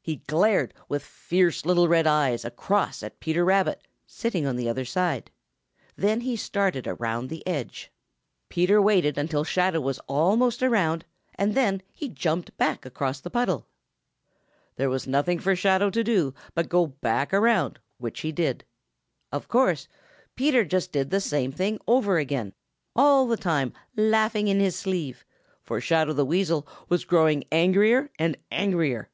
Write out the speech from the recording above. He glared with fierce little red eyes across at Peter Rabbit, sitting on the other side. Then he started around the edge. Peter waited until Shadow was almost around, and then he jumped back across the puddle. There was nothing for Shadow to do but go back around, which he did. Of course, Peter just did the same thing over again, all the time laugh ing in his sleeve, for Shadow the Weasel was growing angrier and angrier.